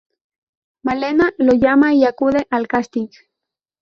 Malena lo llama y acude al casting.